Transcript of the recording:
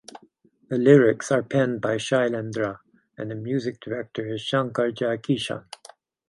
The lyrics are penned by Shailendra and the music director is Shankar Jaikishan.